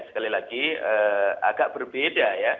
sekali lagi agak berbeda ya